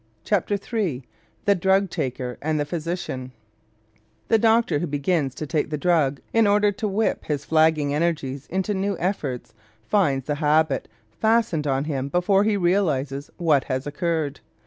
CHAPTER III THE DRUG TAKER AND THE PHYSICIAN The doctor who begins to take the drug in order to whip his flagging energies into new effort finds the habit fastened on him before he realizes what has occurred.